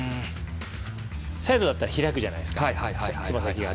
サイドだったら開くじゃないですか、つま先が。